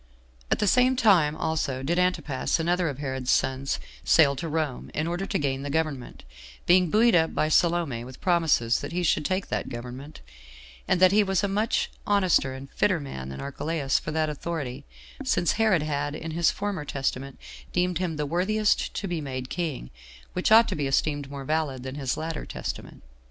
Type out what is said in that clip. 4. At the same time also did Antipas, another of Herod's sons, sail to Rome, in order to gain the government; being buoyed up by Salome with promises that he should take that government; and that he was a much honester and fitter man than Archelaus for that authority, since Herod had, in his former testament, deemed him the worthiest to be made king, which ought to be esteemed more valid than his latter testament.